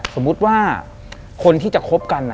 สมมุติว่าคนที่จะคบกัน